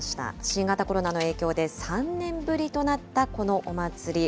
新型コロナの影響で３年ぶりとなったこのお祭り。